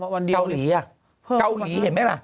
เกาหลีอ่ะเกาหลีเห็นไหมล่ะ